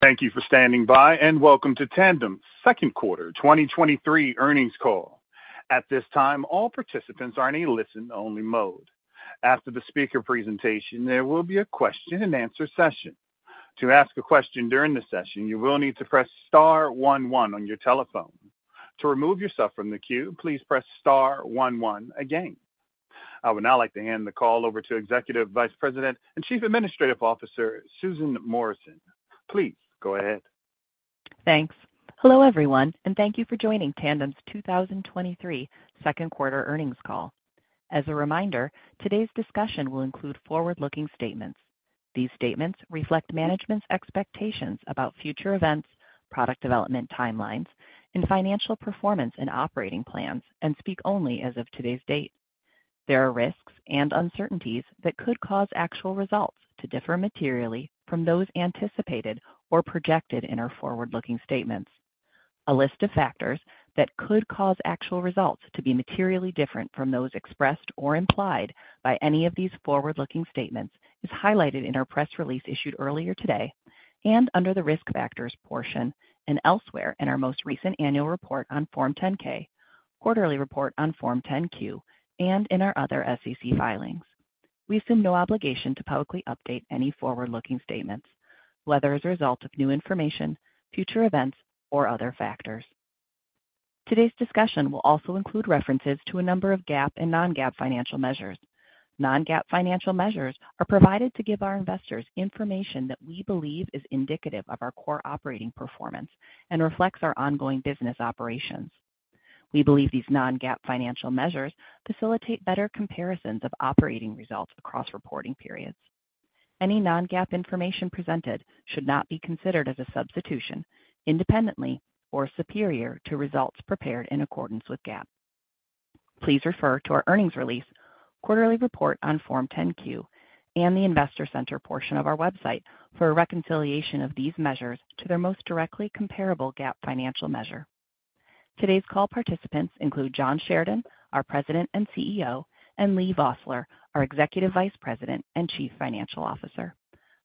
Thank you for standing by, and welcome to Tandem's Q2 2023 earnings call. At this time, all participants are in a listen-only mode. After the speaker presentation, there will be a question-and-answer session. To ask a question during the session, you will need to press star 11 on your telephone. To remove yourself from the queue, please press star 11 again. I would now like to hand the call over to Executive Vice President and Chief Administrative Officer, Susan Morrison. Please go ahead. Thanks. Hello, everyone, and thank you for joining Tandem's 2023 Q2 earnings call. As a reminder, today's discussion will include forward-looking statements. These statements reflect management's expectations about future events, product development timelines, and financial performance and operating plans, and speak only as of today's date. There are risks and uncertainties that could cause actual results to differ materially from those anticipated or projected in our forward-looking statements. A list of factors that could cause actual results to be materially different from those expressed or implied by any of these forward-looking statements is highlighted in our press release issued earlier today and under the Risk Factors portion and elsewhere in our most recent annual report on Form 10-K, quarterly report on Form 10-Q, and in our other SEC filings. We assume no obligation to publicly update any forward-looking statements, whether as a result of new information, future events, or other factors. Today's discussion will also include references to a number of GAAP and non-GAAP financial measures. Non-GAAP financial measures are provided to give our investors information that we believe is indicative of our core operating performance and reflects our ongoing business operations. We believe these non-GAAP financial measures facilitate better comparisons of operating results across reporting periods. Any non-GAAP information presented should not be considered as a substitution, independently, or superior to results prepared in accordance with GAAP. Please refer to our earnings release, quarterly report on Form 10-Q, and the Investor Center portion of our website for a reconciliation of these measures to their most directly comparable GAAP financial measure. Today's call participants include John Sheridan, our President and CEO, and Leigh Vossler, our Executive Vice President and Chief Financial Officer.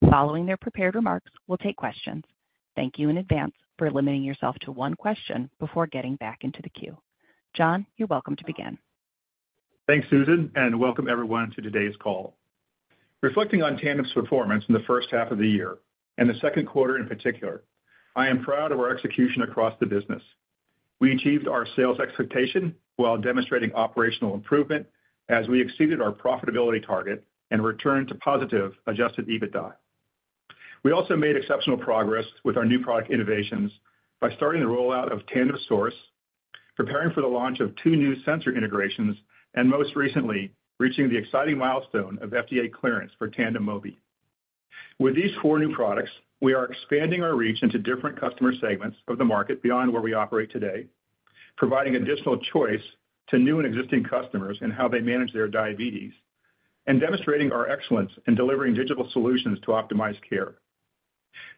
Following their prepared remarks, we'll take questions. Thank you in advance for limiting yourself to one question before getting back into the queue. John, you're welcome to begin. Thanks, Susan. Welcome everyone to today's call. Reflecting on Tandem's performance in the H1 of the year and the Q2 in particular, I am proud of our execution across the business. We achieved our sales expectation while demonstrating operational improvement as we exceeded our profitability target and returned to positive adjusted EBITDA. We also made exceptional progress with our new product innovations by starting the rollout of Tandem Source, preparing for the launch of 2 new sensor integrations, and most recently, reaching the exciting milestone of FDA clearance for Tandem Mobi. With these 4 new products, we are expanding our reach into different customer segments of the market beyond where we operate today, providing additional choice to new and existing customers in how they manage their diabetes, and demonstrating our excellence in delivering digital solutions to optimize care.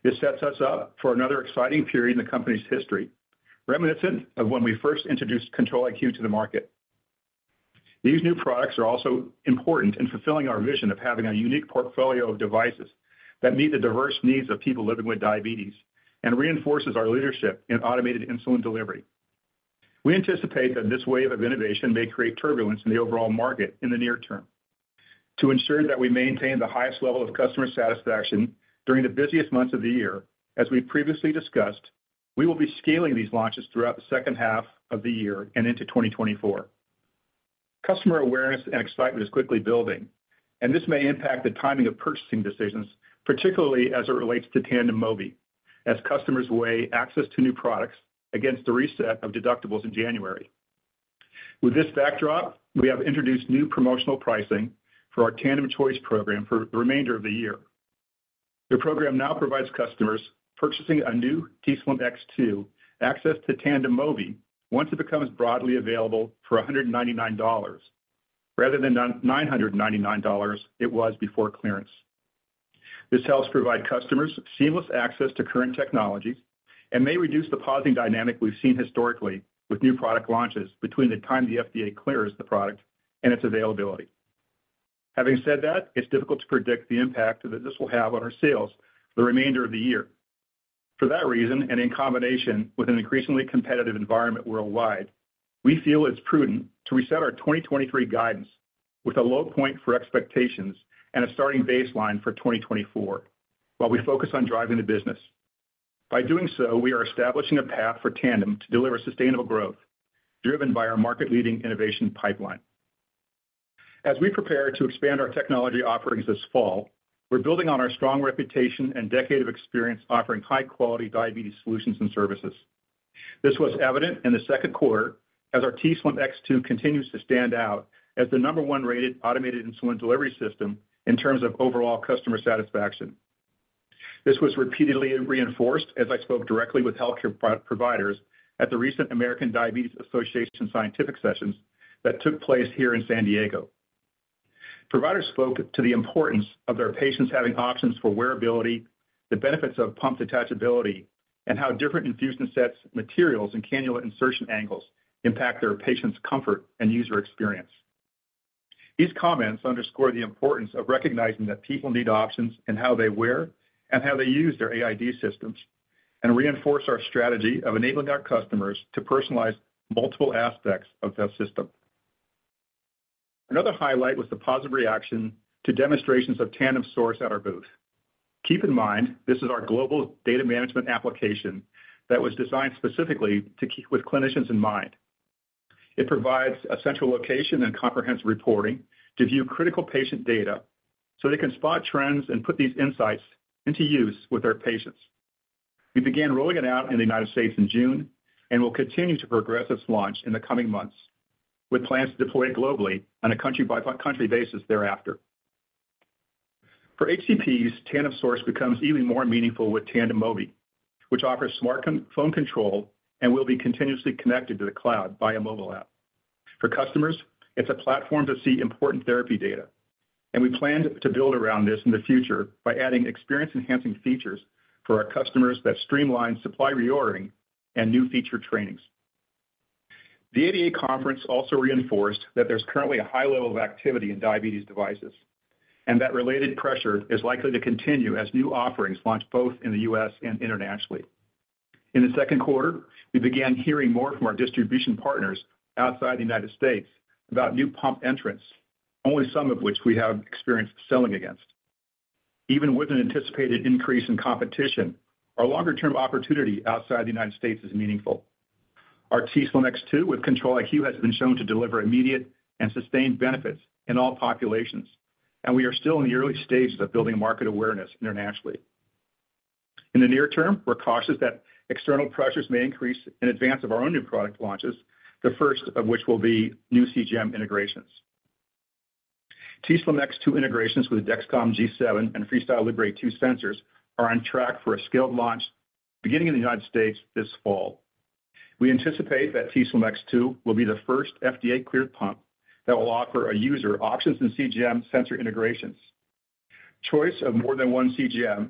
This sets us up for another exciting period in the company's history, reminiscent of when we first introduced Control-IQ to the market. These new products are also important in fulfilling our vision of having a unique portfolio of devices that meet the diverse needs of people living with diabetes and reinforces our leadership in automated insulin delivery. We anticipate that this wave of innovation may create turbulence in the overall market in the near term. To ensure that we maintain the highest level of customer satisfaction during the busiest months of the year, as we previously discussed, we will be scaling these launches throughout the H2 of the year and into 2024. Customer awareness and excitement is quickly building. This may impact the timing of purchasing decisions, particularly as it relates to Tandem Mobi, as customers weigh access to new products against the reset of deductibles in January. With this backdrop, we have introduced new promotional pricing for our Tandem Choice program for the remainder of the year. The program now provides customers purchasing a new t:slim X2 access to Tandem Mobi once it becomes broadly available for $199, rather than $999 it was before clearance. This helps provide customers seamless access to current technologies and may reduce the pausing dynamic we've seen historically with new product launches between the time the FDA clears the product and its availability. Having said that, it's difficult to predict the impact that this will have on our sales for the remainder of the year. For that reason, and in combination with an increasingly competitive environment worldwide, we feel it's prudent to reset our 2023 guidance with a low point for expectations and a starting baseline for 2024, while we focus on driving the business. By doing so, we are establishing a path for Tandem to deliver sustainable growth driven by our market-leading innovation pipeline. As we prepare to expand our technology offerings this fall, we're building on our strong reputation and decade of experience offering high-quality diabetes solutions and services. This was evident in the Q2 as our t:slim X2 continues to stand out as the number one-rated automated insulin delivery system in terms of overall customer satisfaction. This was repeatedly reinforced as I spoke directly with healthcare providers at the recent American Diabetes Association Scientific Sessions that took place here in San Diego. Providers spoke to the importance of their patients having options for wearability, the benefits of pump detachability, and how different infusion sets, materials, and cannula insertion angles impact their patients' comfort and user experience. These comments underscore the importance of recognizing that people need options in how they wear and how they use their AID systems, and reinforce our strategy of enabling our customers to personalize multiple aspects of that system. Another highlight was the positive reaction to demonstrations of Tandem Source at our booth. Keep in mind, this is our global data management application that was designed specifically to keep with clinicians in mind. It provides a central location and comprehensive reporting to view critical patient data, so they can spot trends and put these insights into use with their patients. We began rolling it out in the U.S. in June and will continue to progress this launch in the coming months, with plans to deploy globally on a country-by-country basis thereafter. For HCPs, Tandem Source becomes even more meaningful with Tandem Mobi, which offers smartphone control and will be continuously connected to the cloud by a mobile app. For customers, it's a platform to see important therapy data, and we plan to build around this in the future by adding experience-enhancing features for our customers that streamline supply reordering and new feature trainings. The ADA conference also reinforced that there's currently a high level of activity in diabetes devices, and that related pressure is likely to continue as new offerings launch both in the U.S. and internationally. In the Q2, we began hearing more from our distribution partners outside the United States about new pump entrants, only some of which we have experience selling against. Even with an anticipated increase in competition, our longer-term opportunity outside the United States is meaningful. Our t:slim X2 with Control-IQ has been shown to deliver immediate and sustained benefits in all populations. We are still in the early stages of building market awareness internationally. In the near term, we're cautious that external pressures may increase in advance of our own new product launches, the first of which will be new CGM integrations. t:slim X2 integrations with Dexcom G7 and FreeStyle Libre 2 sensors are on track for a scaled launch beginning in the United States this fall. We anticipate that t:slim X2 will be the first FDA-cleared pump that will offer a user options in CGM sensor integrations. Choice of more than one CGM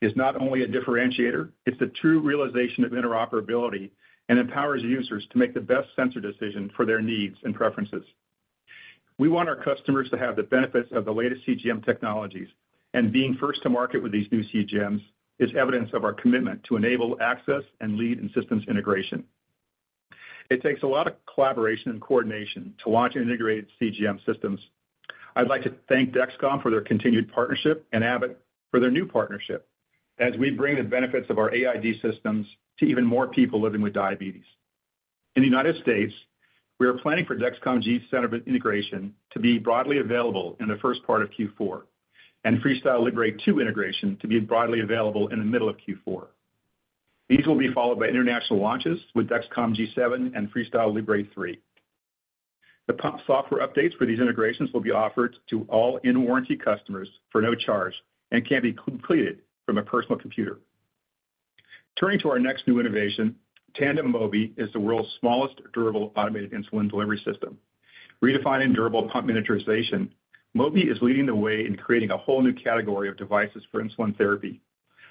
is not only a differentiator, it's a true realization of interoperability and empowers users to make the best sensor decision for their needs and preferences. We want our customers to have the benefits of the latest CGM technologies, and being first to market with these new CGMs is evidence of our commitment to enable access and lead in systems integration. It takes a lot of collaboration and coordination to launch integrated CGM systems. I'd like to thank Dexcom for their continued partnership and Abbott for their new partnership as we bring the benefits of our AID systems to even more people living with diabetes. In the United States, we are planning for Dexcom G7 integration to be broadly available in the first part of Q4, and FreeStyle Libre 2 integration to be broadly available in the middle of Q4. These will be followed by international launches with Dexcom G7 and FreeStyle Libre 3. The pump software updates for these integrations will be offered to all in-warranty customers for no charge and can be completed from a personal computer. Turning to our next new innovation, Tandem Mobi is the world's smallest durable automated insulin delivery system. Redefining durable pump miniaturization, Mobi is leading the way in creating a whole new category of devices for insulin therapy.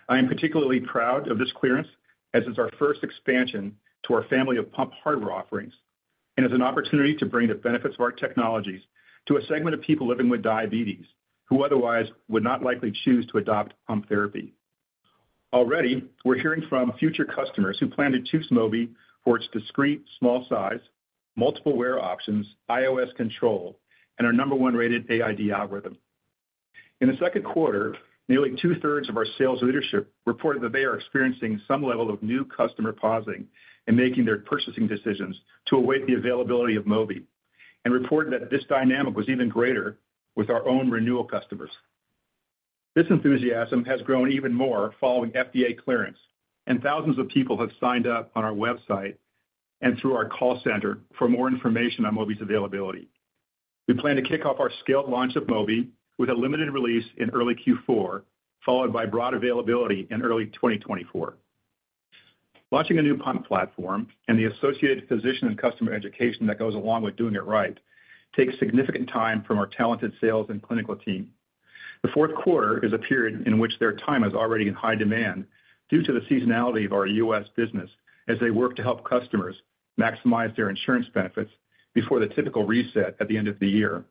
I am particularly proud of this clearance, as it's our first expansion to our family of pump hardware offerings and is an opportunity to bring the benefits of our technologies to a segment of people living with diabetes who otherwise would not likely choose to adopt pump therapy. Already, we're hearing from future customers who plan to choose Mobi for its discreet, small size, multiple wear options, iOS control, and our number one-rated AID algorithm. In the Q2, nearly 2/3 of our sales leadership reported that they are experiencing some level of new customer pausing in making their purchasing decisions to await the availability of Mobi, and reported that this dynamic was even greater with our own renewal customers. This enthusiasm has grown even more following FDA clearance, and thousands of people have signed up on our website and through our call center for more information on Mobi's availability. We plan to kick off our scaled launch of Mobi with a limited release in early Q4, followed by broad availability in early 2024. Launching a new pump platform and the associated physician and customer education that goes along with doing it right, takes significant time from our talented sales and clinical team. The Q4 is a period in which their time is already in high demand due to the seasonality of our U.S. business as they work to help customers maximize their insurance benefits before the typical reset at the end of the year.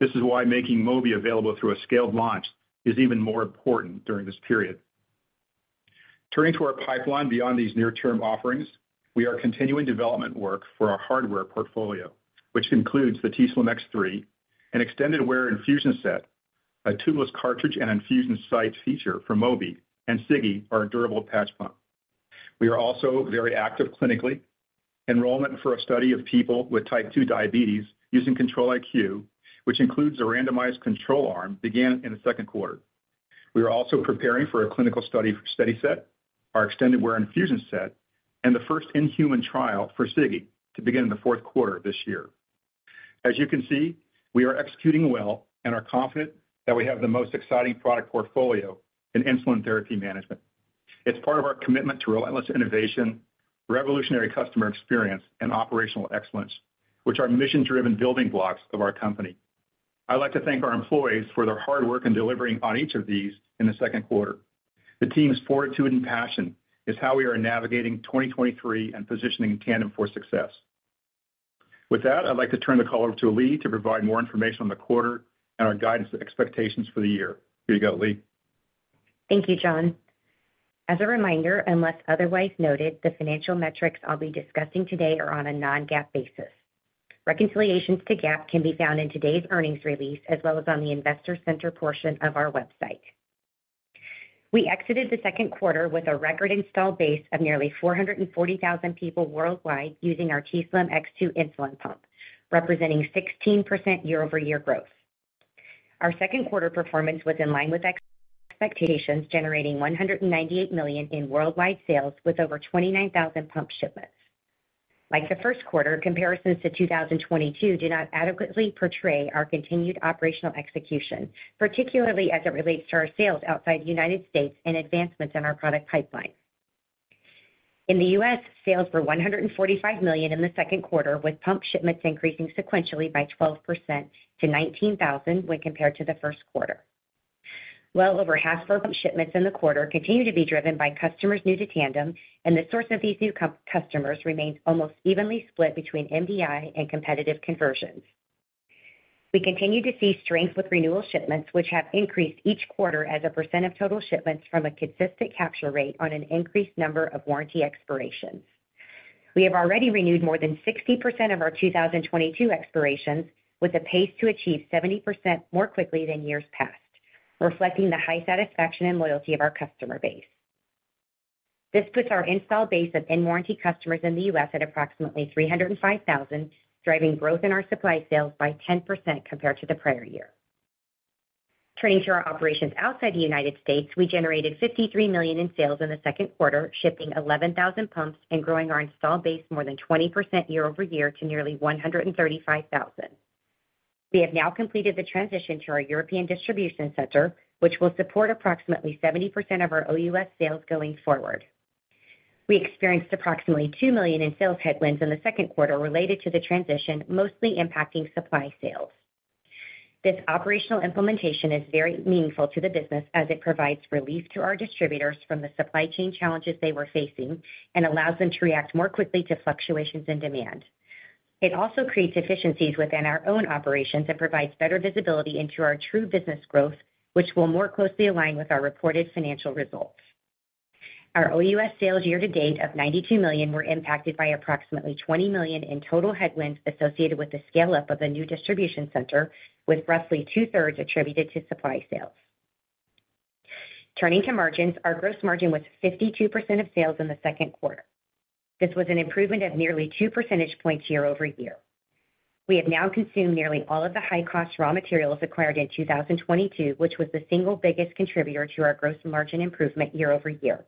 This is why making Mobi available through a scaled launch is even more important during this period. Turning to our pipeline beyond these near-term offerings, we are continuing development work for our hardware portfolio, which includes the t:slim X3, an extended-wear infusion set, a tubeless cartridge and infusion site feature for Mobi, and Sigi, our durable patch pump. We are also very active clinically. Enrollment for a study of people with type two diabetes using Control-IQ, which includes a randomized control arm, began in the Q2. We are also preparing for a clinical study for SteadiSet, our extended wear infusion set, and the first in-human trial for Sigi to begin in the Q4 of this year. As you can see, we are executing well and are confident that we have the most exciting product portfolio in insulin therapy management. It's part of our commitment to relentless innovation, revolutionary customer experience, and operational excellence, which are mission-driven building blocks of our company. I'd like to thank our employees for their hard work in delivering on each of these in the Q2. The team's fortitude and passion is how we are navigating 2023 and positioning Tandem for success. With that, I'd like to turn the call over to Leigh to provide more information on the quarter and our guidance and expectations for the year. Here you go, Leigh. Thank you, John. As a reminder, unless otherwise noted, the financial metrics I'll be discussing today are on a non-GAAP basis. Reconciliations to GAAP can be found in today's earnings release, as well as on the investor center portion of our website. We exited the Q2 with a record install base of nearly 440,000 people worldwide using our t:slim X2 insulin pump, representing 16% year-over-year growth. Our second quarter performance was in line with expectations, generating $198 million in worldwide sales, with over 29,000 pump shipments. Like the Q1, comparisons to 2022 do not adequately portray our continued operational execution, particularly as it relates to our sales outside the United States and advancements in our product pipeline. In the US, sales were $145 million in the Q2, with pump shipments increasing sequentially by 12% to 19,000 when compared to the Q1. Well over half of our pump shipments in the quarter continue to be driven by customers new to Tandem, and the source of these new customers remains almost evenly split between MDI and competitive conversions. We continue to see strength with renewal shipments, which have increased each quarter as a % of total shipments from a consistent capture rate on an increased number of warranty expirations. We have already renewed more than 60% of our 2022 expirations, with a pace to achieve 70% more quickly than years past, reflecting the high satisfaction and loyalty of our customer base. This puts our install base of in-warranty customers in the US at approximately 305,000, driving growth in our supply sales by 10% compared to the prior year. Turning to our operations outside the United States, we generated $53 million in sales in the Q2, shipping 11,000 pumps and growing our install base more than 20% year-over-year to nearly 135,000. We have now completed the transition to our European distribution center, which will support approximately 70% of our OUS sales going forward. We experienced approximately $2 million in sales headwinds in the Q2 related to the transition, mostly impacting supply sales. This operational implementation is very meaningful to the business as it provides relief to our distributors from the supply chain challenges they were facing and allows them to react more quickly to fluctuations in demand. It also creates efficiencies within our own operations and provides better visibility into our true business growth, which will more closely align with our reported financial results. Our OUS sales year to date of $92 million were impacted by approximately $20 million in total headwinds associated with the scale-up of the new distribution center, with roughly two-thirds attributed to supply sales. Turning to margins, our gross margin was 52% of sales in the Q2. This was an improvement of nearly 2 percentage points year-over-year. We have now consumed nearly all of the high-cost raw materials acquired in 2022, which was the single biggest contributor to our gross margin improvement year-over-year.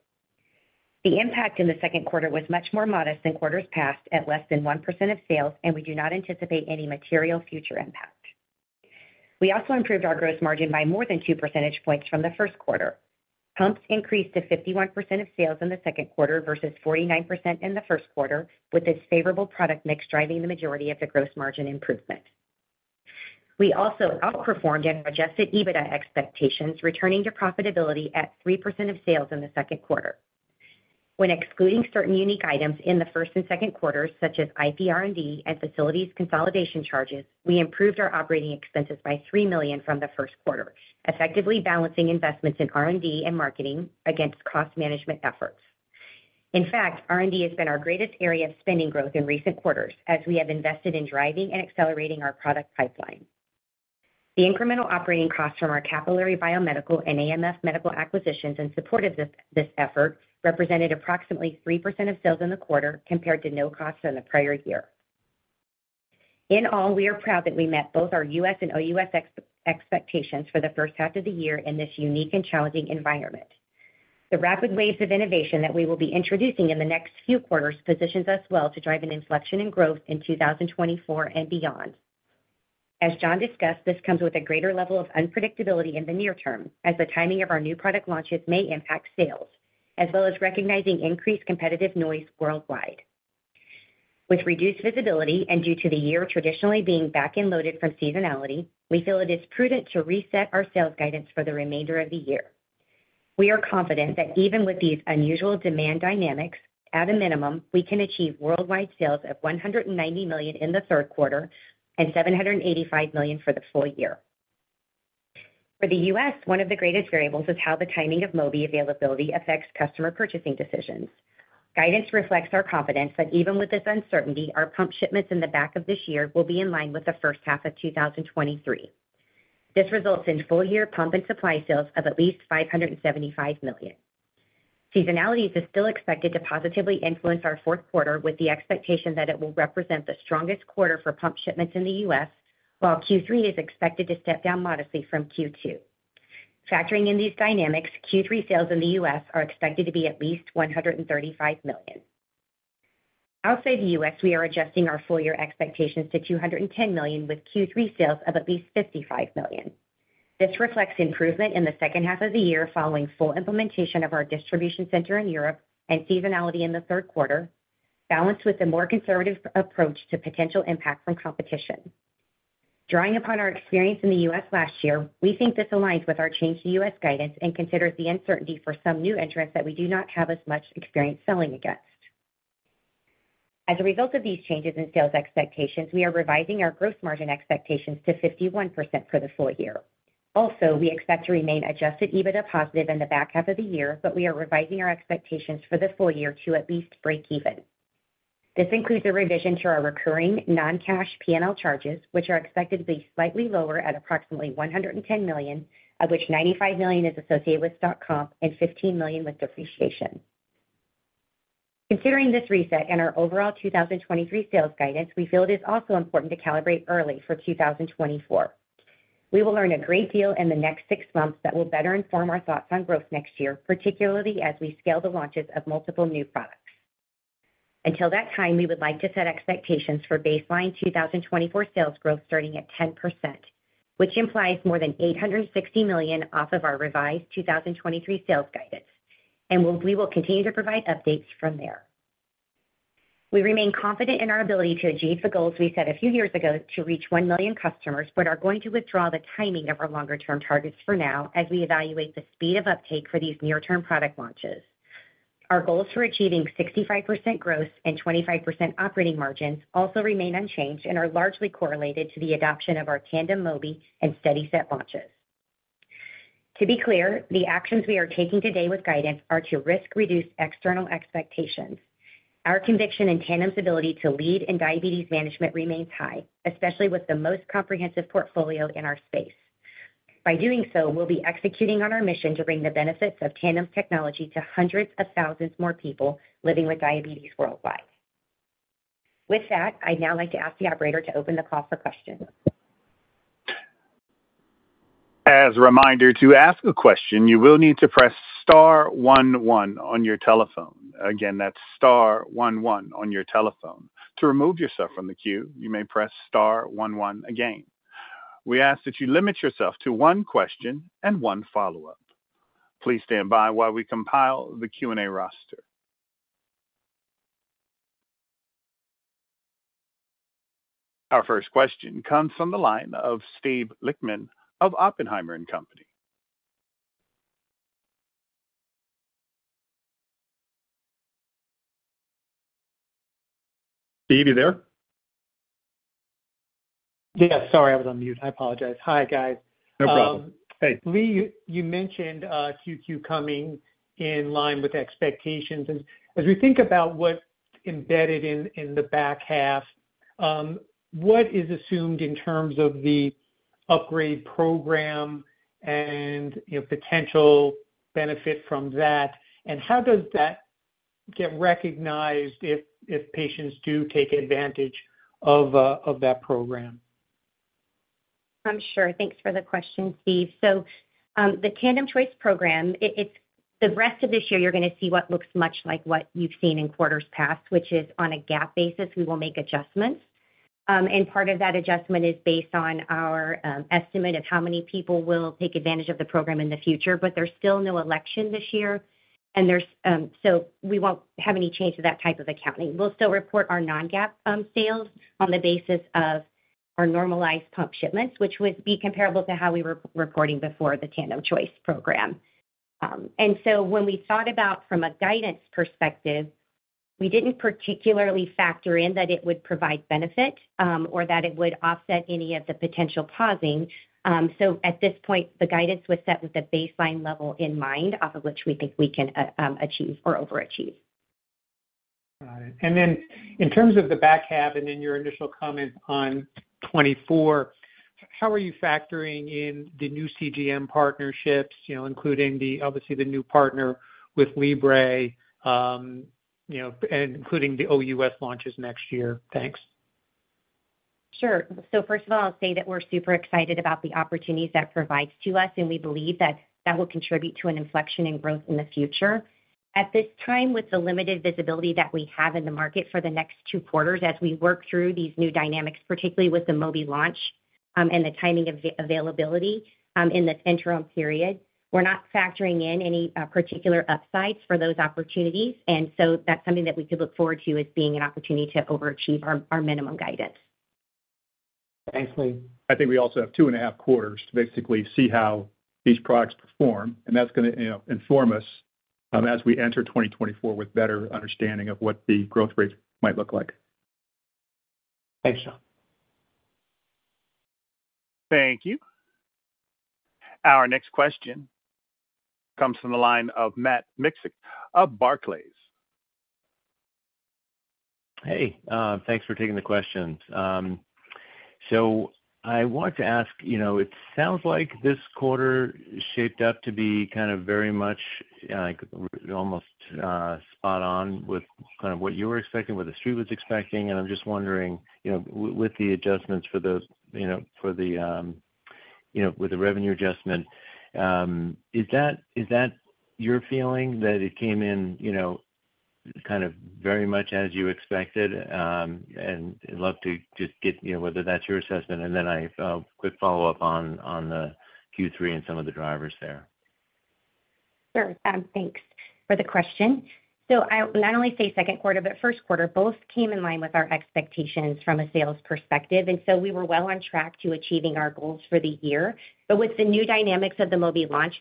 The impact in the Q2 was much more modest than quarters past, at less than 1% of sales. We do not anticipate any material future impact. We also improved our gross margin by more than 2 percentage points from the Q1. Pumps increased to 51% of sales in the Q2 versus 49% in the Q1, with this favorable product mix driving the majority of the gross margin improvement. We also outperformed in adjusted EBITDA expectations, returning to profitability at 3% of sales in the Q2. When excluding certain unique items in the Q1 and Q2, such as IPR&D and facilities consolidation charges, we improved our operating expenses by $3 million from the Q1, effectively balancing investments in R&D and marketing against cost management efforts. In fact, R&D has been our greatest area of spending growth in recent quarters, as we have invested in driving and accelerating our product pipeline. The incremental operating costs from our Capillary Biomedical and AMF Medical acquisitions in support of this effort represented approximately 3% of sales in the quarter, compared to no costs in the prior year. In all, we are proud that we met both our US and OUS expectations for the H1 of the year in this unique and challenging environment. The rapid waves of innovation that we will be introducing in the next few quarters positions us well to drive an inflection in growth in 2024 and beyond. As John discussed, this comes with a greater level of unpredictability in the near term, as the timing of our new product launches may impact sales, as well as recognizing increased competitive noise worldwide. With reduced visibility and due to the year traditionally being back-end loaded from seasonality, we feel it is prudent to reset our sales guidance for the remainder of the year. We are confident that even with these unusual demand dynamics, at a minimum, we can achieve worldwide sales of $190 million in the Q3 and $785 million for the full year. For the US, one of the greatest variables is how the timing of Mobi availability affects customer purchasing decisions. Guidance reflects our confidence that even with this uncertainty, our pump shipments in the back of this year will be in line with the first half of 2023. This results in full-year pump and supply sales of at least $575 million. Seasonalities is still expected to positively influence our Q4, with the expectation that it will represent the strongest quarter for pump shipments in the US, while Q3 is expected to step down modestly from Q2. Factoring in these dynamics, Q3 sales in the US are expected to be at least $135 million. Outside the US, we are adjusting our full year expectations to $210 million, with Q3 sales of at least $55 million. This reflects improvement in the H2 of the year following full implementation of our distribution center in Europe and seasonality in the Q3, balanced with a more conservative approach to potential impact from competition. Drawing upon our experience in the US last year, we think this aligns with our change to US guidance and considers the uncertainty for some new entrants that we do not have as much experience selling against. As a result of these changes in sales expectations, we are revising our growth margin expectations to 51% for the full year. We expect to remain adjusted EBITDA positive in the back half of the year, but we are revising our expectations for the full year to at least breakeven. This includes a revision to our recurring non-cash PNL charges, which are expected to be slightly lower at approximately $110 million, of which $95 million is associated with stock comp and $15 million with depreciation. Considering this reset and our overall 2023 sales guidance, we feel it is also important to calibrate early for 2024. We will learn a great deal in the next 6 months that will better inform our thoughts on growth next year, particularly as we scale the launches of multiple new products. Until that time, we would like to set expectations for baseline 2024 sales growth starting at 10%, which implies more than $860 million off of our revised 2023 sales guidance, and we will continue to provide updates from there. We remain confident in our ability to achieve the goals we set a few years ago to reach 1 million customers, but are going to withdraw the timing of our longer-term targets for now, as we evaluate the speed of uptake for these near-term product launches. Our goals for achieving 65% growth and 25% operating margins also remain unchanged and are largely correlated to the adoption of our Tandem Mobi and SteadiSet launches. To be clear, the actions we are taking today with guidance are to risk-reduce external expectations. Our conviction in Tandem's ability to lead in diabetes management remains high, especially with the most comprehensive portfolio in our space. By doing so, we'll be executing on our mission to bring the benefits of Tandem's technology to hundreds of thousands more people living with diabetes worldwide. With that, I'd now like to ask the operator to open the call for questions. As a reminder, to ask a question, you will need to press star 1, 1 on your telephone. Again, that's star 1, 1 on your telephone. To remove yourself from the queue, you may press star 1, 1 again. We ask that you limit yourself to one question and one follow-up. Please stand by while we compile the Q&A roster. Our first question comes from the line of Steve Lichtman of Oppenheimer & Co. Steve, are you there? Yeah, sorry, I was on mute. I apologize. Hi, guys. No problem. Hey. Leigh, you mentioned, Q2 coming in line with expectations. As we think about what's embedded in, in the back half, what is assumed in terms of the upgrade program and, you know, potential benefit from that? How does that get recognized if, if patients do take advantage of, of that program? I'm sure. Thanks for the question, Steve. The Tandem Choice program, it, it's... The rest of this year, you're going to see what looks much like what you've seen in quarters past, which is on a GAAP basis, we will make adjustments. Part of that adjustment is based on our, estimate of how many people will take advantage of the program in the future. There's still no election this year, and there's, so we won't have any change to that type of accounting. We'll still report our non-GAAP sales on the basis of our normalized pump shipments, which would be comparable to how we were reporting before the Tandem Choice program. When we thought about from a guidance perspective, we didn't particularly factor in that it would provide benefit, or that it would offset any of the potential pausing. At this point, the guidance was set with a baseline level in mind, off of which we think we can achieve or overachieve. Got it. Then in terms of the back half and in your initial comment on 2024, how are you factoring in the new CGM partnerships, you know, including the, obviously, the new partner with Libre, you know, and including the OUS launches next year? Thanks. Sure. First of all, I'll say that we're super excited about the opportunities that provides to us, and we believe that that will contribute to an inflection in growth in the future. At this time, with the limited visibility that we have in the market for the next 2 quarters, as we work through these new dynamics, particularly with the Mobi launch, and the timing of the availability, in this interim period, we're not factoring in any particular upsides for those opportunities, and so that's something that we could look forward to as being an opportunity to overachieve our, our minimum guidance. Thanks, Leigh. I think we also have 2.5 quarters to basically see how these products perform, and that's going to, you know, inform us as we enter 2024 with better understanding of what the growth rates might look like. Thanks, John. Thank you. Our next question comes from the line of Matt Miksic of Barclays. Hey, thanks for taking the questions. I want to ask, you know, it sounds like this quarter shaped up to be kind of very much, like, almost, spot on with kind of what you were expecting, what the Street was expecting. I'm just wondering, you know, with the adjustments for those, you know, for the, you know, with the revenue adjustment, is that, is that your feeling that it came in, you know, kind of very much as you expected? I'd love to just get, you know, whether that's your assessment, and then I quick follow-up on, on the Q3 and some of the drivers there. Sure. Thanks for the question. I would not only say Q2, but Q1, both came in line with our expectations from a sales perspective, and so we were well on track to achieving our goals for the year. With the new dynamics of the Mobi launch,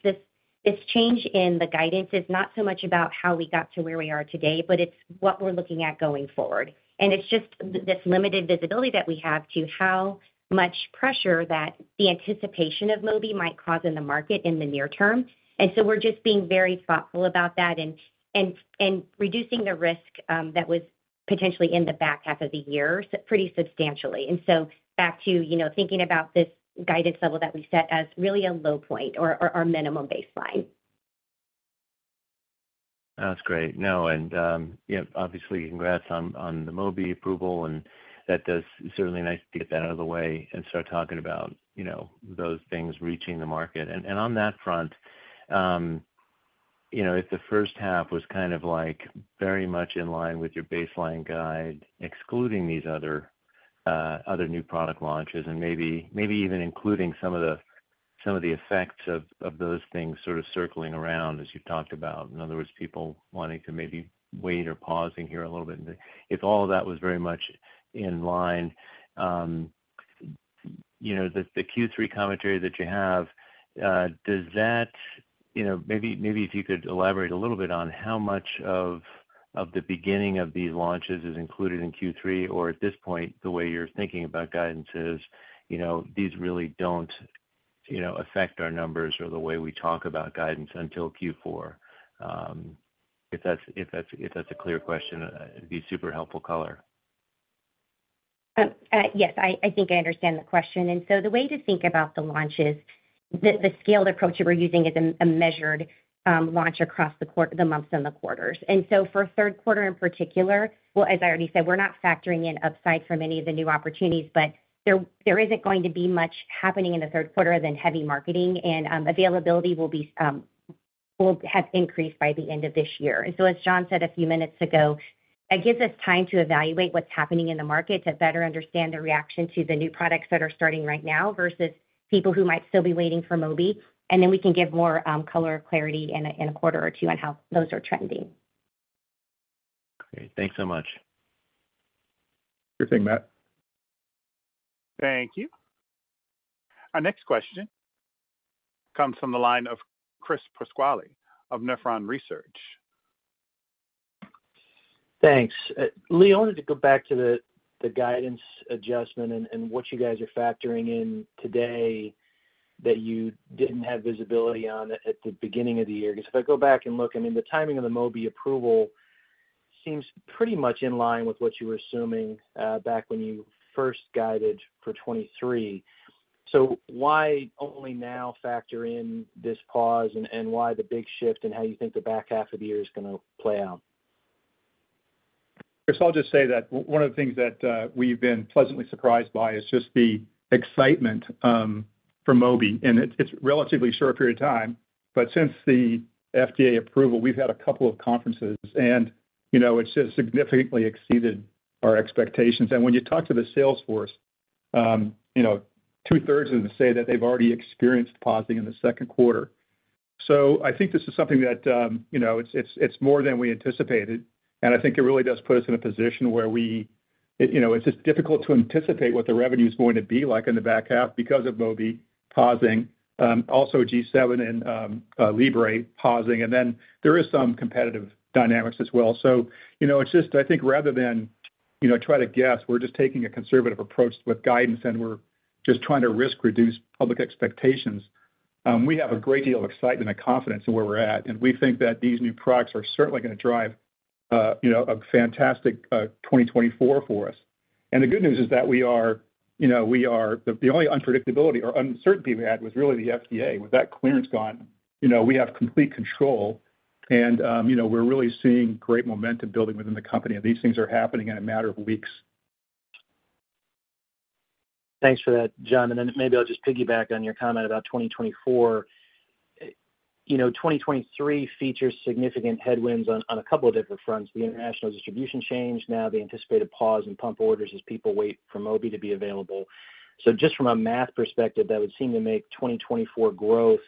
this change in the guidance is not so much about how we got to where we are today, but it's what we're looking at going forward. It's just this limited visibility that we have to how much pressure that the anticipation of Mobi might cause in the market in the near term. We're just being very thoughtful about that and reducing the risk that was potentially in the back half of the year, pretty substantially. back to, you know, thinking about this guidance level that we set as really a low point or, or our minimum baseline. That's great. No, you know, obviously, congrats on, on the Mobi approval, and that does-- certainly nice to get that out of the way and start talking about, you know, those things reaching the market. On that front, you know, if the H1 was kind of like very much in line with your baseline guide, excluding these other, other new product launches, and maybe, maybe even including some of the, some of the effects of, of those things sort of circling around as you've talked about. In other words, people wanting to maybe wait or pausing here a little bit. If all of that was very much in line, you know, the Q3 commentary that you have, you know, maybe, maybe if you could elaborate a little bit on how much of the beginning of these launches is included in Q3, or at this point, the way you're thinking about guidance is, you know, these really don't, you know, affect our numbers or the way we talk about guidance until Q4? If that's, if that's, if that's a clear question, it'd be super helpful color. Yes, I, I think I understand the question. The way to think about the launches, the, the scaled approach that we're using is a, a measured launch across the months and the quarters. For Q3 in particular, well, as I already said, we're not factoring in upside from any of the new opportunities, but there, there isn't going to be much happening in the Q3 other than heavy marketing and availability will be will have increased by the end of this year. As John said a few minutes ago, it gives us time to evaluate what's happening in the market, to better understand the reaction to the new products that are starting right now versus people who might still be waiting for Mobi, and then we can give more color or clarity in a quarter or two on how those are trending. Great. Thanks so much. Great, Matt. Thank you. Our next question comes from the line of Chris Pasquale of Nephron Research. Thanks. Leigh, I wanted to go back to the, the guidance adjustment and, and what you guys are factoring in today that you didn't have visibility on at the beginning of the year. If I go back and look, I mean, the timing of the Mobi approval seems pretty much in line with what you were assuming, back when you first guided for 2023. Why only now factor in this pause, and, and why the big shift in how you think the back half of the year is gonna play out? Chris, I'll just say that one of the things that we've been pleasantly surprised by is just the excitement for Mobi, and it's relatively short period of time. Since the FDA approval, we've had a couple of conferences, and, you know, it's just significantly exceeded our expectations. When you talk to the sales force, you know, two-thirds of them say that they've already experienced pausing in the Q2. I think this is something that, you know, it's more than we anticipated, and I think it really does put us in a position where we, you know, it's just difficult to anticipate what the revenue is going to be like in the back half because of Mobi pausing, also G7 and Libre pausing, and then there is some competitive dynamics as well. You know, it's just I think rather than, you know, try to guess, we're just taking a conservative approach with guidance, and we're just trying to risk-reduce public expectations. We have a great deal of excitement and confidence in where we're at, and we think that these new products are certainly gonna drive, you know, a fantastic 2024 for us. The good news is that we are, you know, the only unpredictability or uncertainty we had was really the FDA. With that clearance gone, you know, we have complete control and, you know, we're really seeing great momentum building within the company, and these things are happening in a matter of weeks. Thanks for that, John. Maybe I'll just piggyback on your comment about 2024. You know, 2023 features significant headwinds on, on a couple of different fronts. The international distribution change, now the anticipated pause in pump orders as people wait for Mobi to be available. Just from a math perspective, that would seem to make 2024 growth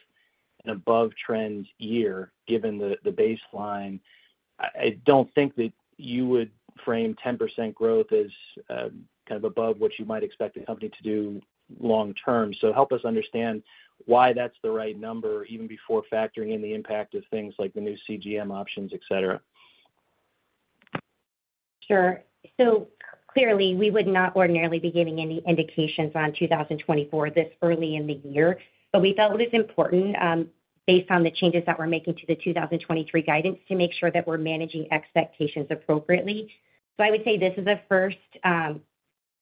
an above trend year, given the, the baseline. I, I don't think that you would frame 10% growth as, kind of above what you might expect a company to do long term. Help us understand why that's the right number, even before factoring in the impact of things like the new CGM options, et cetera. Sure. Clearly, we would not ordinarily be giving any indications on 2024 this early in the year, but we felt it was important, based on the changes that we're making to the 2023 guidance, to make sure that we're managing expectations appropriately. I would say this is a first,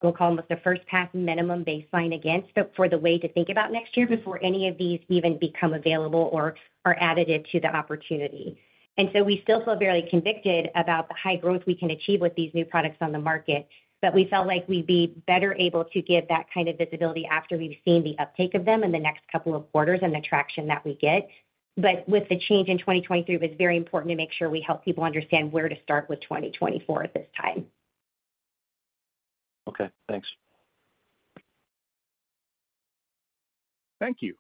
we'll call them the first pass minimum baseline against, but for the way to think about next year before any of these even become available or are additive to the opportunity. We still feel very convicted about the high growth we can achieve with these new products on the market, but we felt like we'd be better able to give that kind of visibility after we've seen the uptake of them in the next couple of quarters and the traction that we get. With the change in 2023, it was very important to make sure we help people understand where to start with 2024 at this time. Okay, thanks. Thank you.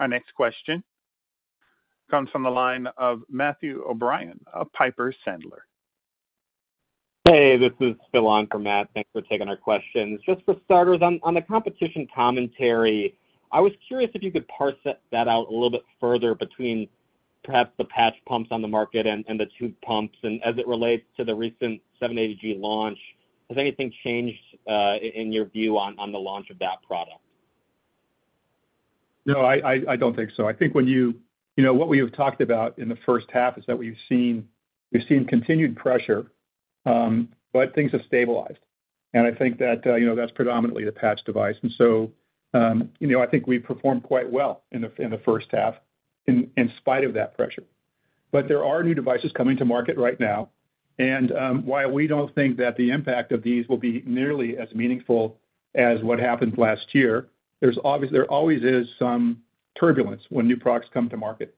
Our next question comes from the line of Matthew O'Brien of Piper Sandler. Hey, this is Phil on for Matt. Thanks for taking our questions. Just for starters, on the competition commentary, I was curious if you could parse that out a little bit further between perhaps the patch pumps on the market and the tube pumps, and as it relates to the recent 780G launch, has anything changed in your view on the launch of that product? No, I don't think so. I think when you know, what we have talked about in the H1 is that we've seen, we've seen continued pressure, but things have stabilized. I think that, you know, that's predominantly the patch device. So, you know, I think we performed quite well in the H1, in spite of that pressure. There are new devices coming to market right now, and, while we don't think that the impact of these will be nearly as meaningful as what happened last year, there always is some turbulence when new products come to market.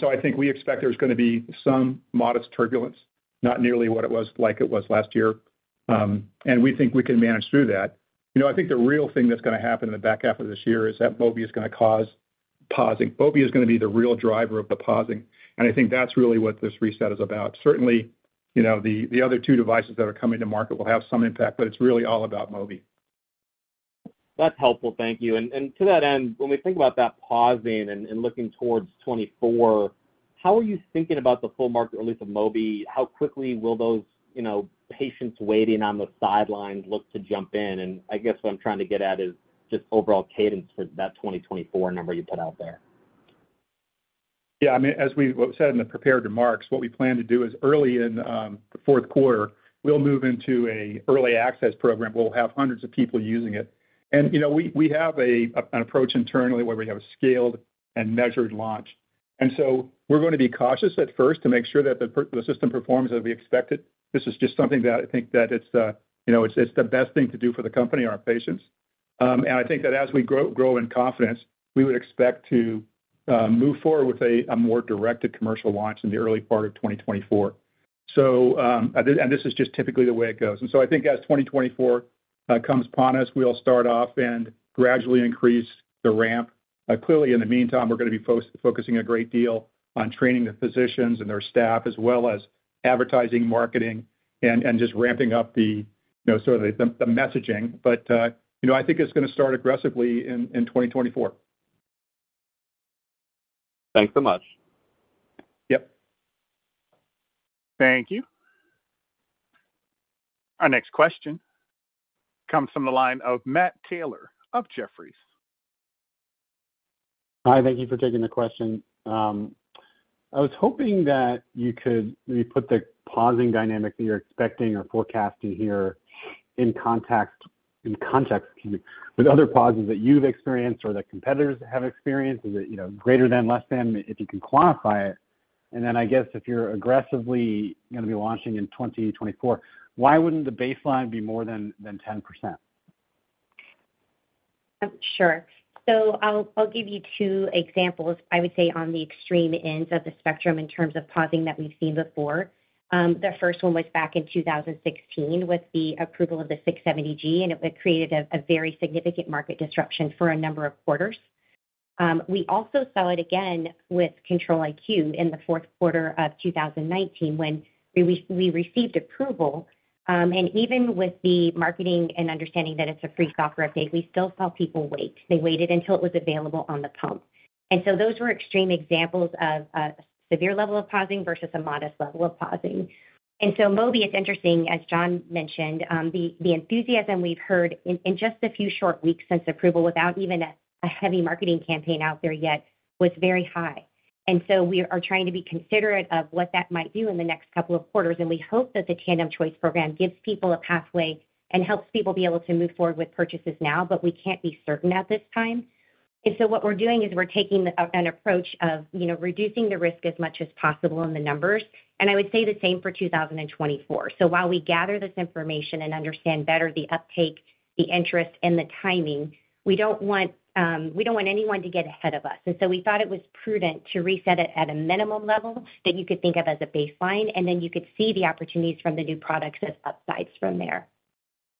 So I think we expect there's going to be some modest turbulence, not nearly what it was like it was last year, and we think we can manage through that. You know, I think the real thing that's going to happen in the back half of this year is that Mobi is going to cause pausing. Mobi is going to be the real driver of the pausing, and I think that's really what this reset is about. Certainly, you know, the other two devices that are coming to market will have some impact, but it's really all about Mobi. That's helpful. Thank you. To that end, when we think about that pausing and, and looking towards 2024, how are you thinking about the full market release of Mobi? How quickly will those, you know, patients waiting on the sidelines look to jump in? I guess what I'm trying to get at is just overall cadence for that 2024 number you put out there. Yeah, I mean, as we said in the prepared remarks, what we plan to do is early in the Q4, we'll move into a early access program. We'll have hundreds of people using it. You know, we, we have a, an approach internally where we have a scaled and measured launch. We're going to be cautious at first to make sure that the system performs as we expected. This is just something that I think that it's, you know, it's, it's the best thing to do for the company and our patients. I think that as we grow, grow in confidence, we would expect to move forward with a, a more directed commercial launch in the early part of 2024. This, and this is just typically the way it goes. I think as 2024 comes upon us, we'll start off and gradually increase the ramp. Clearly, in the meantime, we're going to be focusing a great deal on training the physicians and their staff, as well as advertising, marketing, and just ramping up the, you know, sort of the, the messaging. You know, I think it's going to start aggressively in, in 2024. Thanks so much. Yep. Thank you. Our next question comes from the line of Matt Taylor of Jefferies. Hi, thank you for taking the question. I was hoping that you could maybe put the pausing dynamic that you're expecting or forecasting here in context with other pauses that you've experienced or that competitors have experienced, is it, you know, greater than, less than, if you can quantify it? Then I guess if you're aggressively going to be launching in 2024, why wouldn't the baseline be more than, than 10%? Sure. I'll, I'll give you 2 examples, I would say, on the extreme ends of the spectrum in terms of pausing that we've seen before. The first one was back in 2016 with the approval of the 670G, and it created a, a very significant market disruption for a number of quarters. We also saw it again with Control-IQ in the Q4 of 2019, when we received approval, and even with the marketing and understanding that it's a free software update, we still saw people wait. They waited until it was available on the pump. Those were extreme examples of a severe level of pausing versus a modest level of pausing. Mobi, it's interesting, as John mentioned, the enthusiasm we've heard in just a few short weeks since approval, without even a heavy marketing campaign out there yet, was very high. We are trying to be considerate of what that might do in the next couple of quarters, and we hope that the Tandem Choice program gives people a pathway and helps people be able to move forward with purchases now, but we can't be certain at this time. What we're doing is we're taking an approach of, you know, reducing the risk as much as possible in the numbers, and I would say the same for 2024. While we gather this information and understand better the uptake, the interest, and the timing, we don't want, we don't want anyone to get ahead of us. We thought it was prudent to reset it at a minimum level that you could think of as a baseline, and then you could see the opportunities from the new products as upsides from there.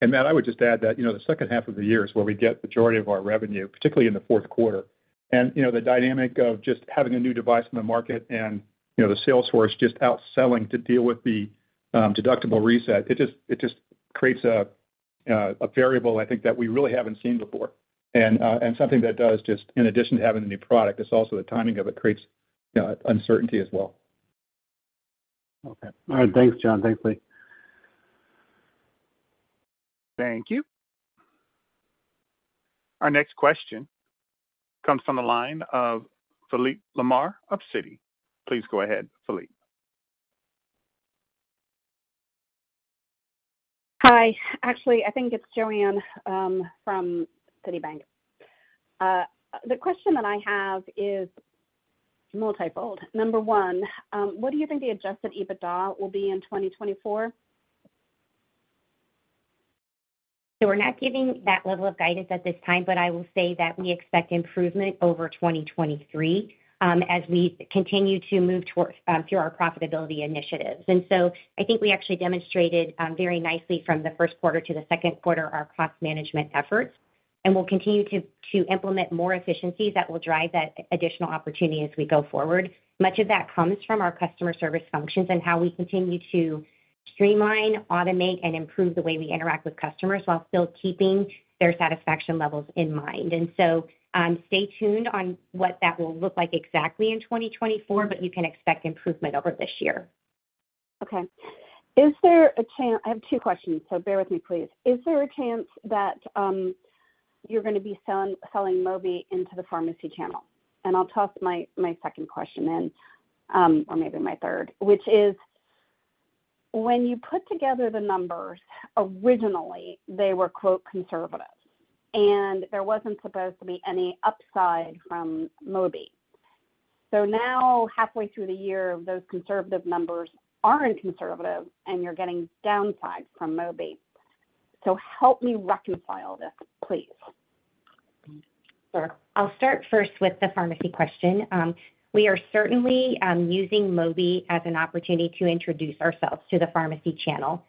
Matt, I would just add that, you know, the H2 of the year is where we get majority of our revenue, particularly in the fourth quarter. You know, the dynamic of just having a new device in the market and, you know, the sales force just out selling to deal with the deductible reset, it just, it just creates a variable I think that we really haven't seen before. Something that does just in addition to having a new product, it's also the timing of it creates uncertainty as well. Okay. All right, thanks, John. Thanks, Leigh. Thank you. Our next question comes from the line of Joanne Wuensch of Citigroup. Please go ahead, Philippe. Hi. Actually, I think it's Joanne, from Citigroup. The question that I have is multifold. Number one, what do you think the adjusted EBITDA will be in 2024? We're not giving that level of guidance at this time, but I will say that we expect improvement over 2023 as we continue to move towards through our profitability initiatives. I think we actually demonstrated very nicely from the Q1 to the Q2, our cost management efforts. We'll continue to implement more efficiencies that will drive that additional opportunity as we go forward. Much of that comes from our customer service functions and how we continue to streamline, automate, and improve the way we interact with customers, while still keeping their satisfaction levels in mind. Stay tuned on what that will look like exactly in 2024, but you can expect improvement over this year. Okay. I have 2 questions, so bear with me, please. Is there a chance that you're going to be selling, selling Mobi into the pharmacy channel? I'll toss my, my second question in, or maybe my 3rd, which is: when you put together the numbers, originally, they were, quote, conservative, and there wasn't supposed to be any upside from Mobi. Now, halfway through the year, those conservative numbers aren't conservative, and you're getting downsides from Mobi. Help me reconcile this, please. Sure. I'll start first with the pharmacy question. We are certainly using Mobi as an opportunity to introduce ourselves to the pharmacy channel.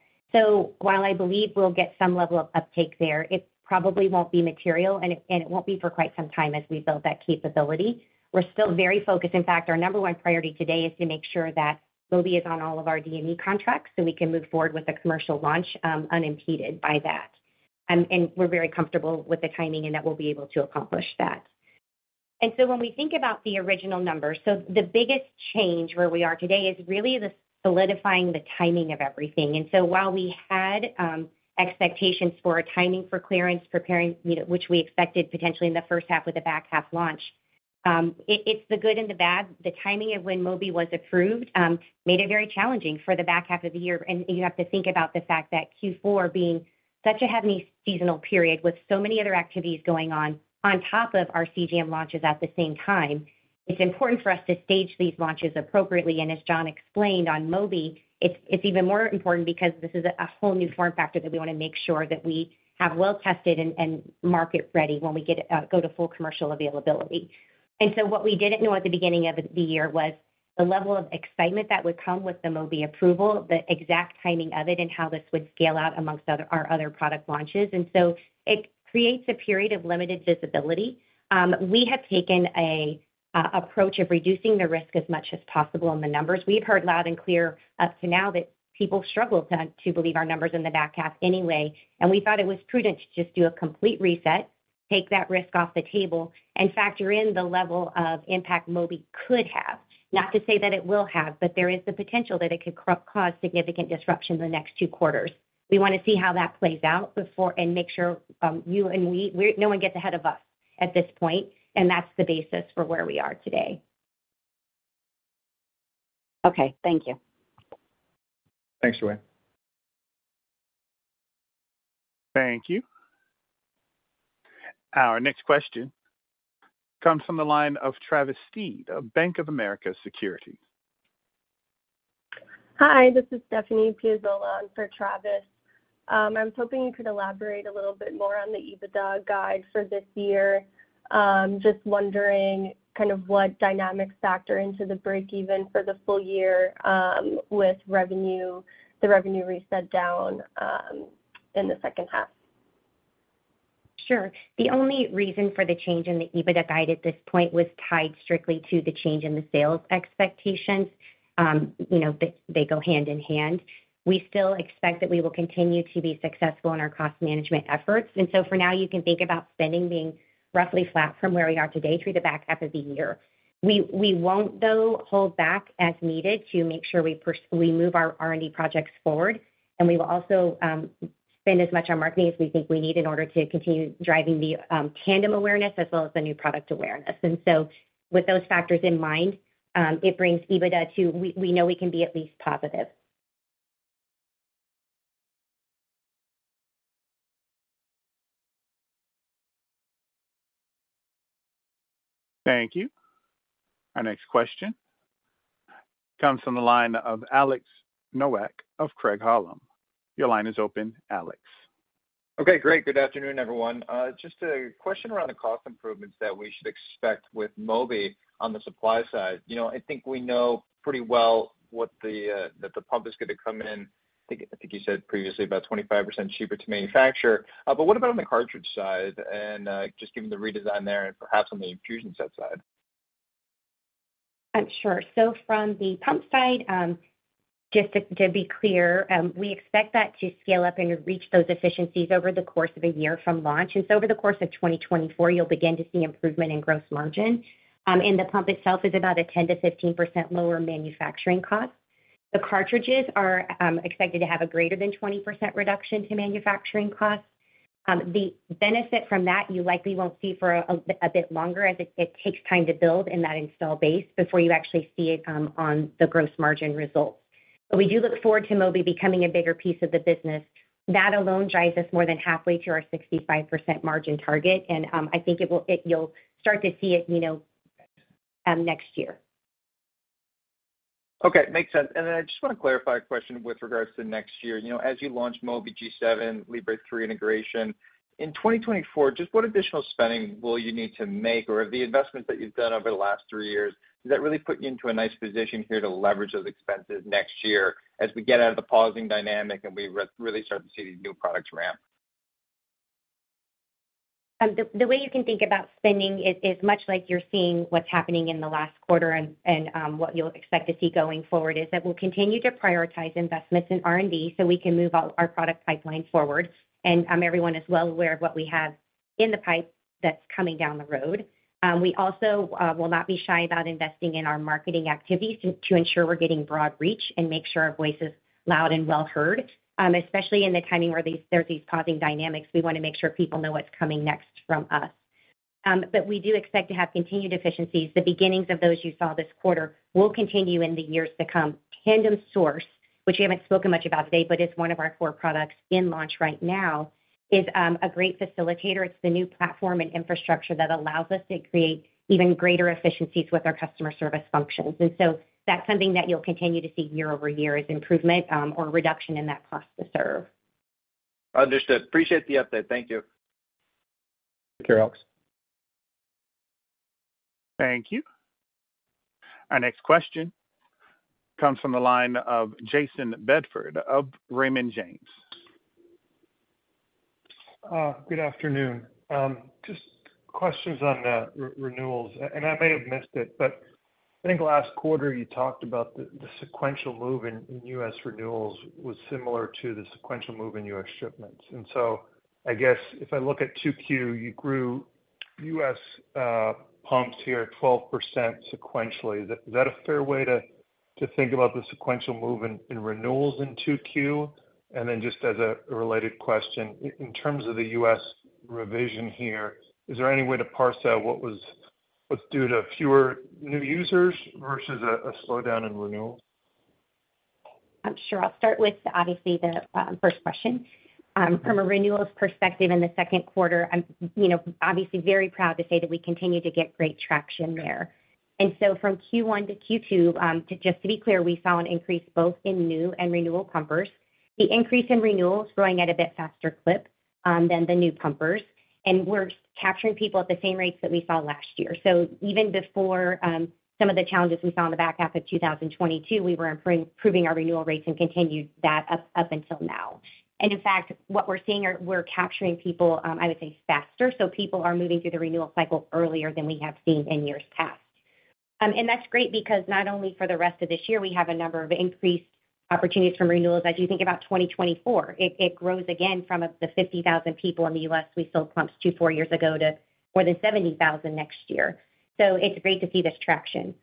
While I believe we'll get some level of uptake there, it probably won't be material, and it won't be for quite some time as we build that capability. We're still very focused. In fact, our number one priority today is to make sure that Mobi is on all of our DME contracts, so we can move forward with the commercial launch unimpeded by that. We're very comfortable with the timing and that we'll be able to accomplish that. When we think about the original numbers, the biggest change where we are today is really the solidifying the timing of everything. While we had expectations for a timing for clearance, preparing, you know, which we expected potentially in the H1 with a back-half launch, it's the good and the bad. The timing of when Mobi was approved made it very challenging for the back half of the year. You have to think about the fact that Q4 being such a heavy seasonal period with so many other activities going on, on top of our CGM launches at the same time, it's important for us to stage these launches appropriately. As John explained on Mobi, it's even more important because this is a whole new form factor that we want to make sure that we have well tested and market ready when we get it go to full commercial availability. What we didn't know at the beginning of the year was the level of excitement that would come with the Mobi approval, the exact timing of it, and how this would scale out amongst other, our other product launches. It creates a period of limited visibility. We have taken a approach of reducing the risk as much as possible on the numbers. We've heard loud and clear up to now that people struggle to believe our numbers in the back half anyway, and we thought it was prudent to just do a complete reset, take that risk off the table, and factor in the level of impact Mobi could have. Not to say that it will have, but there is the potential that it could cause significant disruption in the next 2 quarters. We want to see how that plays out before and make sure, you and we, no one gets ahead of us at this point, and that's the basis for where we are today. Okay, thank you. Thanks, Joanne. Thank you. Our next question comes from the line of Travis Steed of Bank of America Securities. Hi, this is Stephanie Davis for Travis. I was hoping you could elaborate a little bit more on the EBITDA guide for this year. Just wondering kind of what dynamics factor into the break even for the full year, with revenue, the revenue reset down, in the H2? Sure. The only reason for the change in the EBITDA guide at this point was tied strictly to the change in the sales expectations. you know, they, they go hand in hand. We still expect that we will continue to be successful in our cost management efforts. For now, you can think about spending being roughly flat from where we are today through the back half of the year. We, we won't, though, hold back as needed to make sure we move our R&D projects forward, and we will also spend as much on marketing as we think we need in order to continue driving the Tandem awareness as well as the new product awareness. With those factors in mind, it brings EBITDA to, we, we know we can be at least positive. Thank you. Our next question comes from the line of Alex Nowak of Craig-Hallum. Your line is open, Alex. Okay, great. Good afternoon, everyone. Just a question around the cost improvements that we should expect with Mobi on the supply side. You know, I think we know pretty well what the that the pump is going to come in. I think, I think you said previously, about 25% cheaper to manufacture. What about on the cartridge side and just given the redesign there and perhaps on the infusion set side? Sure. From the pump side, just to, to be clear, we expect that to scale up and reach those efficiencies over the course of a year from launch. Over the course of 2024, you'll begin to see improvement in gross margin. The pump itself is about a 10%-15% lower manufacturing cost. The cartridges are expected to have a greater than 20% reduction to manufacturing costs. The benefit from that, you likely won't see for a bit longer, as it takes time to build in that install base before you actually see it, on the gross margin results. We do look forward to Mobi becoming a bigger piece of the business. That alone drives us more than halfway to our 65% margin target, and I think it will, you'll start to see it, you know, next year. Okay, makes sense. Then I just want to clarify a question with regards to next year. You know, as you launch Mobi, G7, Libre 3 integration, in 2024, just what additional spending will you need to make? The investments that you've done over the last 3 years, does that really put you into a nice position here to leverage those expenses next year as we get out of the pausing dynamic and we really start to see these new products ramp? ... the, the way you can think about spending is, is much like you're seeing what's happening in the last quarter and, what you'll expect to see going forward, is that we'll continue to prioritize investments in R&D, so we can move our, our product pipeline forward. Everyone is well aware of what we have in the pipe that's coming down the road. We also will not be shy about investing in our marketing activities to, to ensure we're getting broad reach and make sure our voice is loud and well heard. Especially in the timing where there's these pausing dynamics, we wanna make sure people know what's coming next from us. We do expect to have continued efficiencies. The beginnings of those you saw this quarter will continue in the years to come. Tandem Source, which we haven't spoken much about today, but it's one of our core products in launch right now, is a great facilitator. It's the new platform and infrastructure that allows us to create even greater efficiencies with our customer service functions. So that's something that you'll continue to see year-over-year, is improvement or reduction in that cost to serve. Understood. Appreciate the update. Thank you. Take care, Alex. Thank you. Our next question comes from the line of Jayson Bedford of Raymond James. Good afternoon. Just questions on renewals, and I may have missed it, but I think last quarter you talked about the sequential move in US renewals was similar to the sequential move in US shipments. I guess if I look at 2Q, you grew US pumps here at 12% sequentially. Is that a fair way to think about the sequential move in renewals in 2Q? Just as a related question, in terms of the US revision here, is there any way to parse out what was, what's due to fewer new users versus a slowdown in renewals? Sure. I'll start with obviously the first question. From a renewals perspective in the Q2, I'm, you know, obviously very proud to say that we continue to get great traction there. From Q1 to Q2, to just to be clear, we saw an increase both in new and renewal pumpers. The increase in renewals growing at a bit faster clip than the new pumpers. We're capturing people at the same rates that we saw last year. Even before some of the challenges we saw in the back half of 2022, we were improving our renewal rates and continued that up, up until now. In fact, what we're seeing are, we're capturing people, I would say, faster. People are moving through the renewal cycle earlier than we have seen in years past. That's great because not only for the rest of this year, we have a number of increased opportunities from renewals. As you think about 2024, it, it grows again from the 50,000 people in the US we sold pumps two, 4 years ago, to more than 70,000 next year. It's great to see this traction.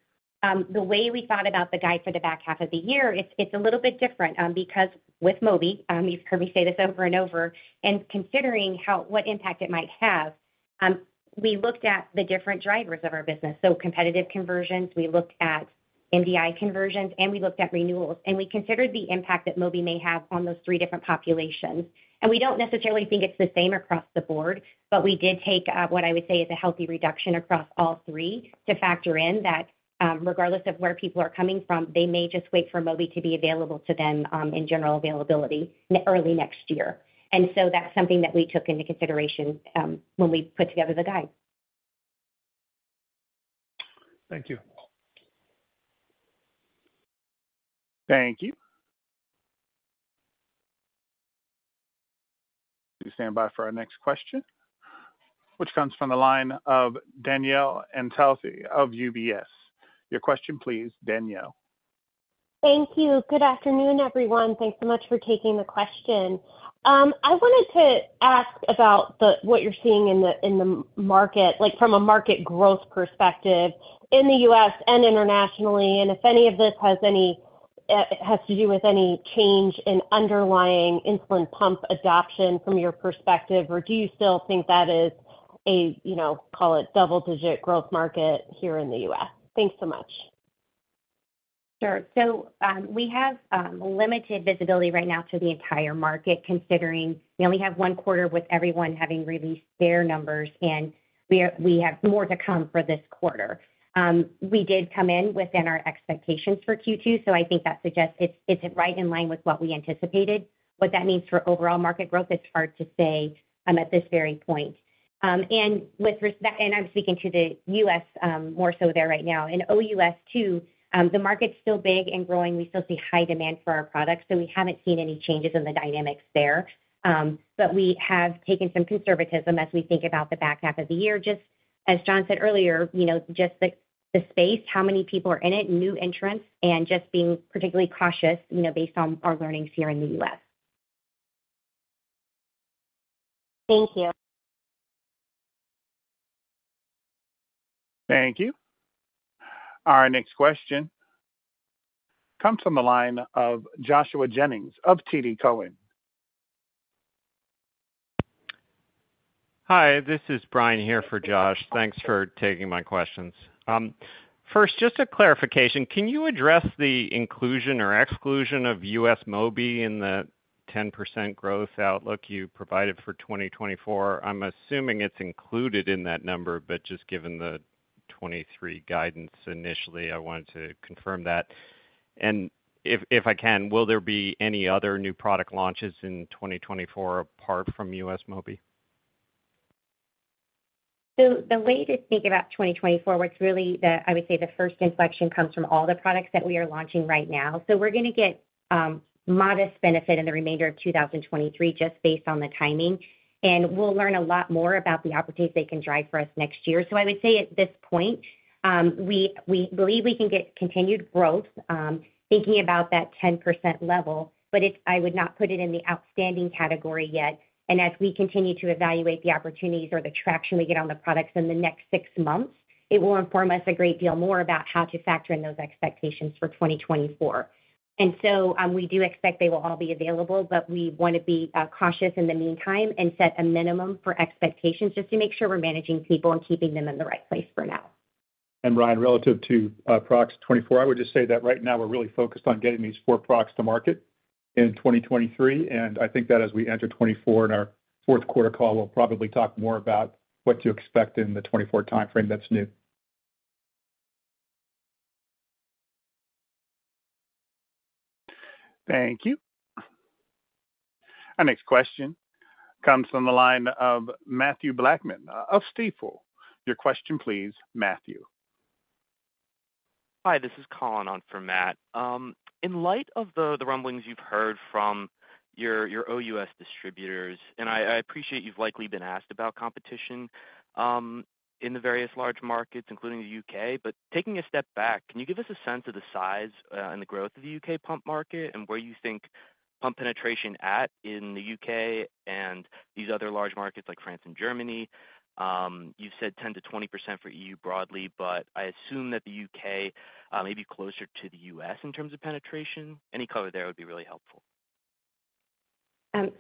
The way we thought about the guide for the back half of the year, it's, it's a little bit different, because with Mobi, you've heard me say this over and over, and considering what impact it might have, we looked at the different drivers of our business. Competitive conversions, we looked at MDI conversions, and we looked at renewals, and we considered the impact that Mobi may have on those three different populations. We don't necessarily think it's the same across the board, but we did take what I would say is a healthy reduction across all three to factor in that, regardless of where people are coming from, they may just wait for Mobi to be available to them, in general availability early next year. That's something that we took into consideration when we put together the guide. Thank you. Thank you. Please stand by for our next question, which comes from the line of Danielle Antalffy of UBS. Your question, please, Danielle. Thank you. Good afternoon, everyone. Thanks so much for taking the question. I wanted to ask about what you're seeing in the market, like from a market growth perspective in the US and internationally, and if any of this has any to do with any change in underlying insulin pump adoption from your perspective. Do you still think that is a, you know, call it double-digit growth market here in the US? Thanks so much. Sure. We have limited visibility right now to the entire market, considering we only have 1 quarter with everyone having released their numbers, and we have more to come for this quarter. We did come in within our expectations for Q2, I think that suggests it's, it's right in line with what we anticipated. What that means for overall market growth, it's hard to say at this very point. With respect. I'm speaking to the US more so there right now. In OUS too, the market's still big and growing. We still see high demand for our products, we haven't seen any changes in the dynamics there. We have taken some conservatism as we think about the back half of the year. Just as John said earlier, you know, just the, the space, how many people are in it, new entrants, and just being particularly cautious, you know, based on our learnings here in the US. Thank you. Thank you. Our next question comes from the line of Joshua Jennings of TD Cowen. Hi, this is Brian here for Josh. Thanks for taking my questions. First, just a clarification, can you address the inclusion or exclusion of US Mobi in the 10% growth outlook you provided for 2024? I'm assuming it's included in that number, but just given the 2023 guidance initially, I wanted to confirm that. If, if I can, will there be any other new product launches in 2024 apart from US Mobi? ... The way to think about 2024, what's really the, I would say the first inflection comes from all the products that we are launching right now. We're going to get modest benefit in the remainder of 2023, just based on the timing. We'll learn a lot more about the opportunities they can drive for us next year. I would say at this point, we, we believe we can get continued growth, thinking about that 10% level, but it's-- I would not put it in the outstanding category yet. As we continue to evaluate the opportunities or the traction we get on the products in the next 6 months, it will inform us a great deal more about how to factor in those expectations for 2024. We do expect they will all be available, but we want to be cautious in the meantime and set a minimum for expectations, just to make sure we're managing people and keeping them in the right place for now. Brian, relative to products 2024, I would just say that right now we're really focused on getting these 4 products to market in 2023, and I think that as we enter 2024, in our 4th quarter call, we'll probably talk more about what to expect in the 2024 timeframe that's new. Thank you. Our next question comes from the line of Mathew Blackman of Stifel. Your question please, Matthew. Hi, this is Colin on for Matt. In light of the, the rumblings you've heard from your, your OUS distributors, and I, I appreciate you've likely been asked about competition in the various large markets, including the UK. Taking a step back, can you give us a sense of the size and the growth of the UK pump market and where you think pump penetration at in the UK and these other large markets like France and Germany? You've said 10%-20% for EU broadly, but I assume that the UK may be closer to the US in terms of penetration. Any color there would be really helpful. I'm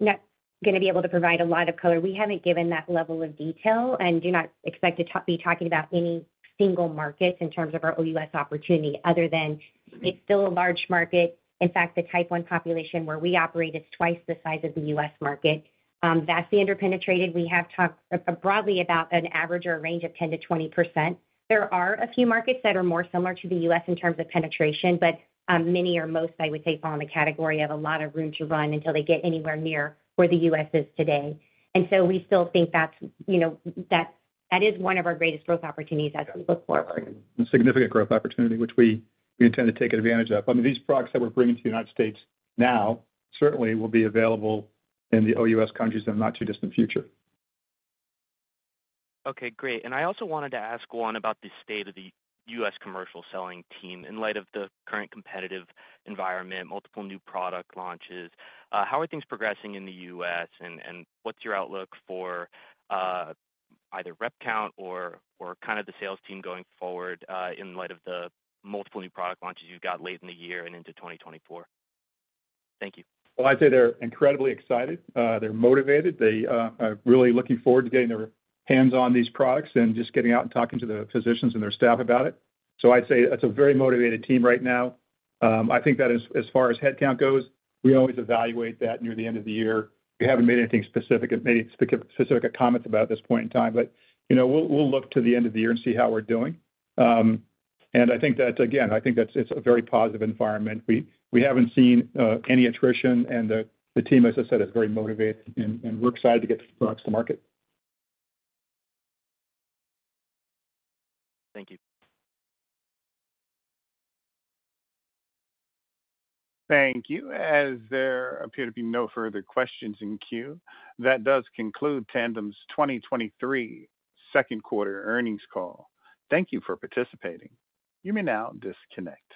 not going to be able to provide a lot of color. We haven't given that level of detail and do not expect to be talking about any single markets in terms of our OUS opportunity, other than it's still a large market. In fact, the Type 1 population where we operate is twice the size of the US market. Vastly underpenetrated. We have talked broadly about an average or a range of 10%-20%. There are a few markets that are more similar to the US in terms of penetration, but many or most, I would say, fall in the category of a lot of room to run until they get anywhere near where the US is today. We still think that's, you know, that, that is one of our greatest growth opportunities as we look forward. A significant growth opportunity, which we, we intend to take advantage of. I mean, these products that we're bringing to the United States now certainly will be available in the OUS countries in the not-too-distant future. Okay, great. I also wanted to ask one about the state of the US commercial selling team. In light of the current competitive environment, multiple new product launches, how are things progressing in the US, and, and what's your outlook for either rep count or, or kind of the sales team going forward, in light of the multiple new product launches you've got late in the year and into 2024? Thank you. Well, I'd say they're incredibly excited. They're motivated. They are really looking forward to getting their hands on these products and just getting out and talking to the physicians and their staff about it. I'd say it's a very motivated team right now. I think that as, as far as headcount goes, we always evaluate that near the end of the year. We haven't made anything specific, have made specific comments about this point in time, but, you know, we'll, we'll look to the end of the year and see how we're doing. I think that's, again, I think that's it's a very positive environment. We haven't seen any attrition and the team, as I said, is very motivated and we're excited to get the products to market. Thank you. Thank you. As there appear to be no further questions in queue, that does conclude Tandem's 2023 Q2 earnings call. Thank you for participating. You may now disconnect.